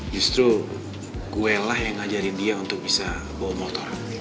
justru guelah yang ngajarin dia untuk bisa bawa motor